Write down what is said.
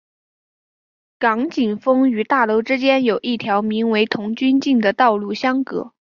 港景峰与大楼之间有一条名为童军径的道路相隔。